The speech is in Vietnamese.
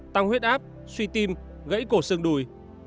tăng huyết áp suy tim gãy cổ xương đùi